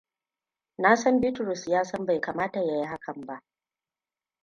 Na san Bitrus ya san bai kamata ya yi hakan ba.